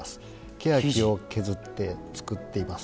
ケヤキを削って作っています。